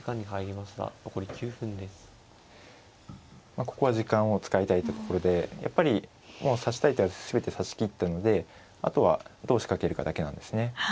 まあここは時間を使いたいところでやっぱりもう指したい手は全て指しきったのであとはどう仕掛けるかだけなんですね。